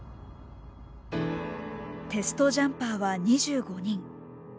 テストジャンパーは２５人。